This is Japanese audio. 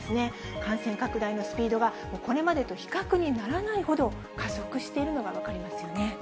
感染拡大のスピードがこれまでと比較にならないほど加速しているのが分かりますよね。